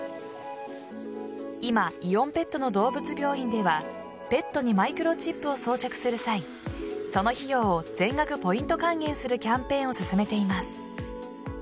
今、イオンペットの動物病院ではペットにマイクロチップを装着する際その費用を全額ポイント還元するキャンペーンを進めています。